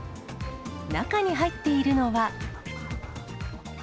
中に入っているのは。